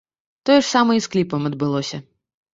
Тое ж самае і з кліпам адбылося.